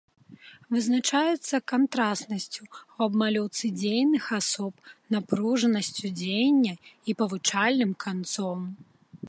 Вызначаецца кантрастнасцю ў абмалёўцы дзейных асоб, напружанасцю дзеяння і павучальным канцом.